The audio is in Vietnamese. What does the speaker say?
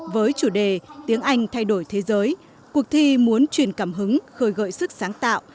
với chủ đề tiếng anh thay đổi thế giới cuộc thi muốn truyền cảm hứng khơi gợi sức sáng tạo